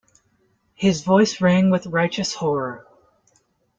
His voice rang with righteous horror.